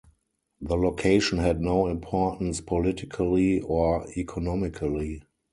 The location had no importance politically or economically.